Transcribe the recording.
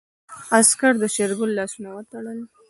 عسکر د شېرګل لاسونه وتړل.